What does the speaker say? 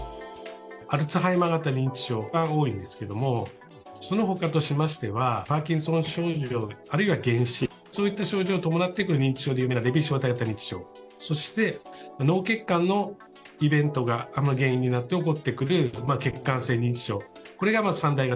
アルツハイマー型認知症が多いですけどもその他としましてはパーキンソン症状あるいは幻視を伴ってくる認知症で有名なレビー小体型認知症そして、脳血管のイベントが原因になって起こってくる血管性認知症。